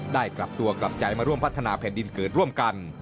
กลับตัวกลับใจมาร่วมพัฒนาแผ่นดินเกิดร่วมกัน